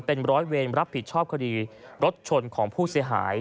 เป็นร้อยเวรรับผิดชอบคดีรถชนของผู้เสียหาย